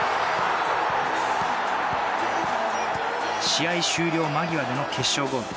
試合終了間際での決勝ゴール。